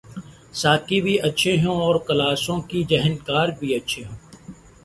ساقی بھی اچھے ہوں اور گلاسوں کی جھنکار بھی ہو۔